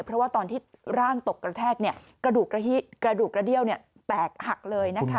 เพราะว่าตอนที่ร่างตกกระแทกกระดูกกระเดี้ยวแตกหักเลยนะคะ